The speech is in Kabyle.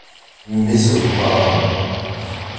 Mmi-s n leḥṛam!